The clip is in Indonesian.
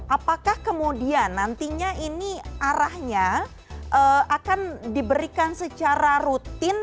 apakah kemudian nantinya ini arahnya akan diberikan secara rutin